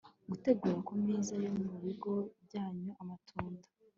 gutegura ku meza yo mu bigo byanyu amatunda